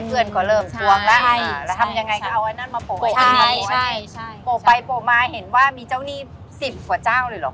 โปะไปโปะมาเห็นว่ามีเจ้านี่๑๐กว่าเจ้าเลยหรอ